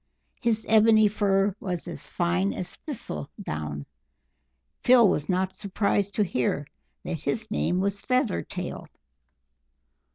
His ebony fur was as fine as thistle down; Phil was not surprised to hear that his name was "Feathertail."